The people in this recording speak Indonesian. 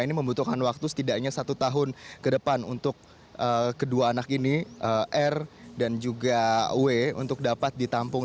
ini membutuhkan waktu setidaknya satu tahun ke depan untuk kedua anak ini r dan juga w untuk dapat ditampung